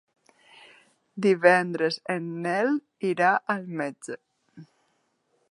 Divendres en Nel irà al metge.